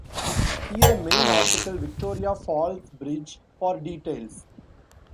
See the main article Victoria Falls Bridge for details.